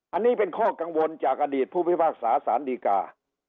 อันนี้เป็นข้อกังวลจากอดีตผู้พิพากษาสารดีกา